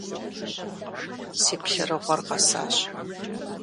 Си плъырыгъуэр къэсащ.